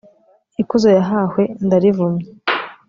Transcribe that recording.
ikuzo yahahwe ndarivumye